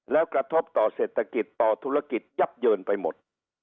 แล้วกระทบต่อเศรษฐกิจต่อธุรกิจยับเยินไปหมด